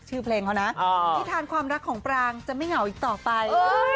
ชื่อเพลงเขานะนิทานความรักของปรางจะไม่เหงาอีกต่อไป